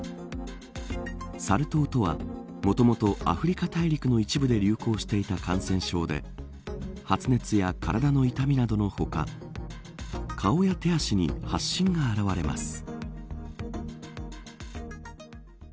サル痘とは、もともとアフリカ大陸の一部で流行していた感染症で発熱や体の痛みなどの他顔や手足に発疹が現れます。